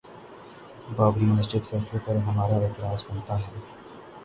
بابری مسجد فیصلے پر ہمارا اعتراض بنتا ہے؟